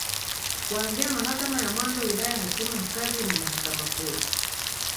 Kuanzia Mahakama ya Mwanzo Wilaya Hakimu Mkazi na Mahakama Kuu